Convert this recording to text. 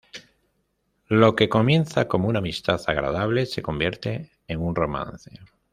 Lo que comienza como una amistad agradable se convierte en un romance.